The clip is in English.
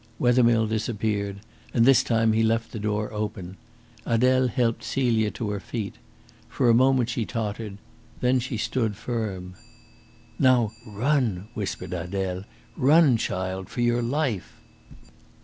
Wethermill disappeared; and this time he left the door open. Adele helped Celia to her feet. For a moment she tottered; then she stood firm. "Now run!" whispered Adele. "Run, child, for your life!"